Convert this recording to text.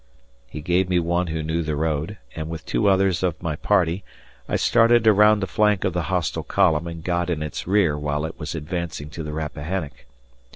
He gave me one who knew the road, and with two others of my party I started around the flank of the hostile column and got in its rear while it was advancing to the Rappahannock.